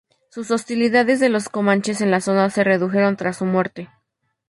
Las hostilidades de los comanches en la zona se redujeron tras su muerte.